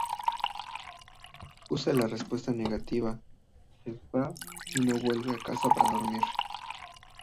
Pese a la respuesta negativa, se va y no vuelve a casa para dormir.